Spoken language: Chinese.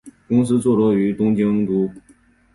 公司坐落于东京都。